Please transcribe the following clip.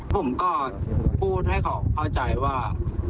ผมก็พูดให้เขาเข้าใจว่า